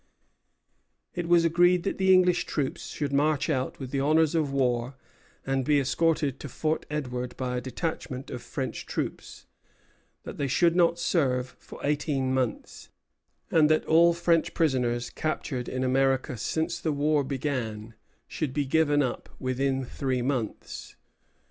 Frye, Journal. It was agreed that the English troops should march out with the honors of war, and be escorted to Fort Edward by a detachment of French troops; that they should not serve for eighteen months; and that all French prisoners captured in America since the war began should be given up within three months.